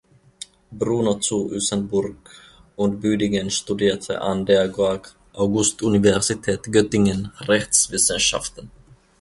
Bruno zu Ysenburg und Büdingen studierte an der Georg-August-Universität Göttingen Rechtswissenschaften.